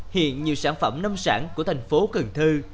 hiện nhiều sản phẩm nông sản của thành phố cần thơ